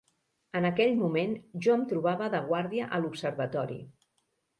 En aquell moment jo em trobava de guàrdia a l'observatori